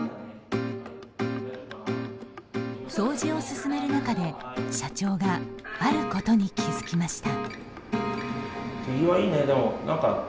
掃除を進める中で社長があることに気付きました。